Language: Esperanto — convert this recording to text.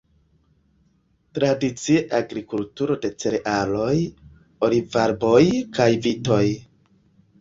Tradicie agrikulturo de cerealoj, olivarboj kaj vitoj.